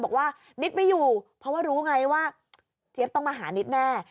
บอกว่านิดไม่อยู่เพราะว่ารู้ไงว่าเจี๊ยบต้องมาหานิดแน่